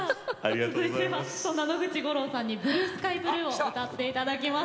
続いてはそんな野口五郎さんに「ブルースカイブルー」を歌っていただきます。